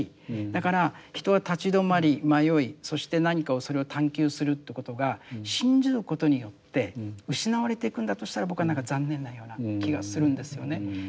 だから人は立ち止まり迷いそして何かをそれを探求するってことが信じることによって失われていくんだとしたら僕はなんか残念なような気がするんですよね。